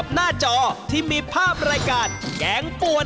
ไหน